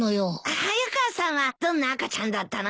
早川さんはどんな赤ちゃんだったの？